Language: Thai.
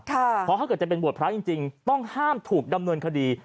เพราะถ้าเกิดจะเป็นบวชพระจริงต้องห้ามถูกดำเนินคดี